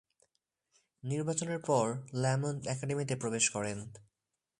নির্বাচনের পর, ল্যামন্ট একাডেমিতে প্রবেশ করেন।